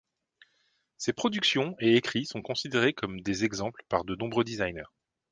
Ses productions et écrits sont considérés comme des exemples par de nombreux designers.